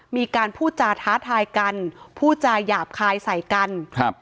มีการพูดจาท้าทายกันพูดจาหยาบคายใส่กันครับ